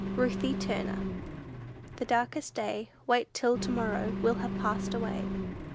RUTHIE TURNER. "The darkest day, Wait till to morrow, will have passed away."